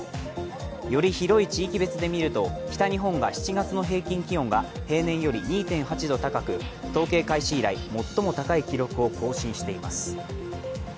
より広い地域別で見ると、北日本が７月の平均気温が平年より２．８度高く、統計開始以来最も高い記録を更新しています。